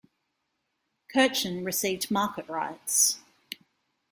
Kirchhain received market-rights.